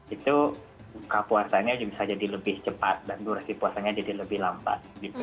itu buka puasanya bisa jadi lebih cepat dan durasi puasanya jadi lebih lambat